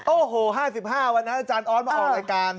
โอ้โห๕๕วันนั้นอาจารย์ออสมาออกรายการ